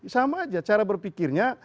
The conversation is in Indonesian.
sama saja cara berpikirnya